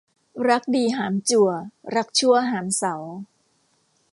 รักดีหามจั่วรักชั่วหามเสา